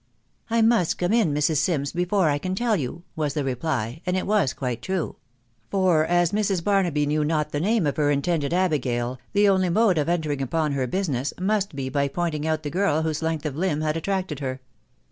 ie I must come in, Mrs. Sims, before I can tell you," was the reply, and it was quite true ; for, as Mrs. Barnaby knew not the name of her intended Abigail, the only mode of en tering upon her business, must be by pointing out the girl whose length of limb had attracted her.